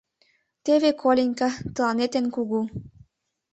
Теве, Коленька, тыланет эн кугу.